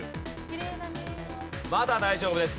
まだ大丈夫です。